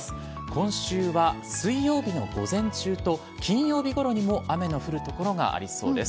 今週は水曜日の午前中と金曜日ごろにも雨の降る所がありそうです。